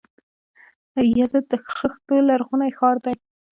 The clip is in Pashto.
یزد د خښتو لرغونی ښار دی.